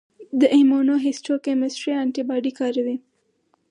د ایمونوهیسټوکیمسټري انټي باډي کاروي.